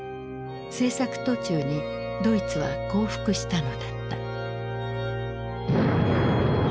製作途中にドイツは降伏したのだった。